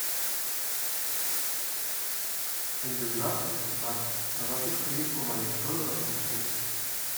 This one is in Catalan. En jubilar-se el seu pare, el va succeir com a director de la Fundació.